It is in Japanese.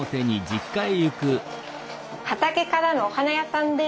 畑からのお花屋さんです。